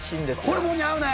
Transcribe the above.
ホルモンに合うね！